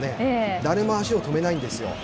誰も足を止めないんです。